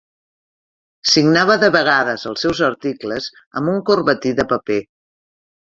Signava de vegades els seus articles amb un corbatí de paper.